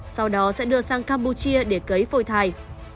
sau đó sẽ đưa sang campuchia để cấy phôi thai